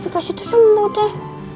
pas itu sembuh deh